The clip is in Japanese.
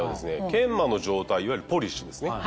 研磨の状態いわゆるポリッシュですね。